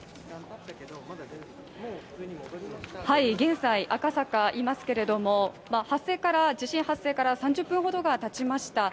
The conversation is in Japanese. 現在、赤坂にいますけども地震発生から３０分ほどがたちました。